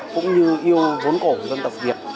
cũng như yêu vốn cổ của dân tộc việt